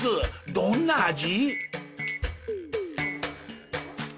どんな味？